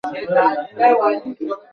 আমরাও জুন থেকে Payoneer card issue করব।